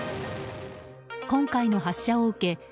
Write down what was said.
今回の発射を受け